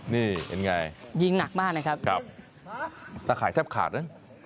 นี่เห็นไงยิงหนักมากนะครับตะข่ายแทบขาดนะ